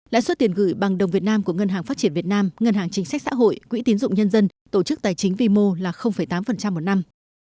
lãi suất tiền gửi bằng đồng việt nam của ngân hàng phát triển việt nam ngân hàng chính sách xã hội quỹ tiến dụng nhân dân tổ chức tài chính vimo là tám một năm